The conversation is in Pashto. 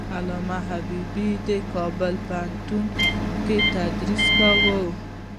علامه حبيبي په کابل پوهنتون کې تدریس کاوه.